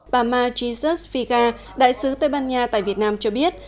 bà ma jesus figa đại sứ tây ban nha tại việt nam cho biết